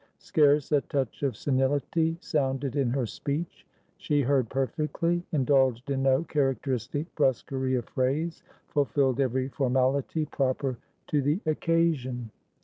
Scarce a touch of senility sounded in her speech; she heard perfectly, indulged in no characteristic brusquerie of phrase, fulfilled every formality proper to the occasion.